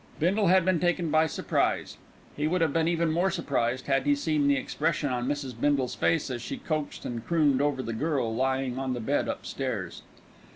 Bindle had been taken by surprise. He would have been even more surprised had he seen the expression on Mrs. Bindle's face as she coaxed and crooned over the girl lying on the bed upstairs.